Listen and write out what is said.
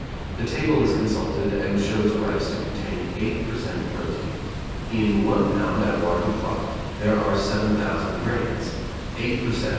The table is consulted and shows rice to contain eight per cent. protein. In 1 lb. avoirdupois there are 7,000 grains; eight per cent.